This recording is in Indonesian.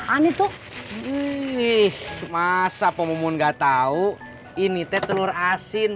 an itu ih masa pomo nggak tahu ini teh telur asin